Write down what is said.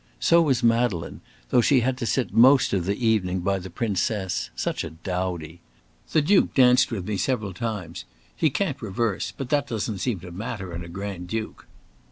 So was Madeleine, though she had to sit most of the evening by the Princess such a dowdy! The Duke danced with me several times; he can't reverse, but that doesn't seem to matter in a Grand Duke.